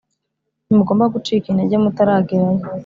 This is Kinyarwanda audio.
Ntimugomba gucika intege mutaragerayo